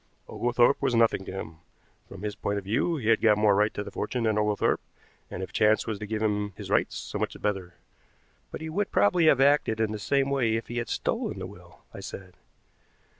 Oglethorpe was nothing to him. From his point of view he had got more right to the fortune than Oglethorpe, and if chance was to give him his rights so much the better." "But he would probably have acted in the same way if he had stolen the will," I said.